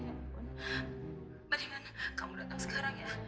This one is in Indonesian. mendingan kamu datang sekarang ya